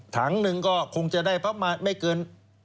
ถังนึงก็คงจะได้ไม่เกิน